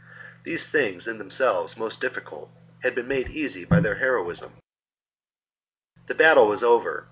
These things, in themselves most difficult, had been made easy by their heroism. Caesar treats 2 8. The battle was over